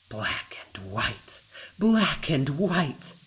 "Black and white! Black and white!